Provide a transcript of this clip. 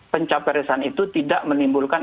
pencapaian itu tidak menimbulkan